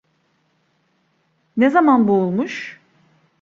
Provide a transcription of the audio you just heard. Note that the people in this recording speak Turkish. Ne zaman boğulmuş?